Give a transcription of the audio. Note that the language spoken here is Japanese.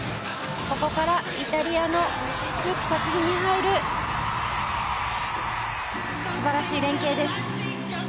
ここからイタリアの作品に入る素晴らしい連係です。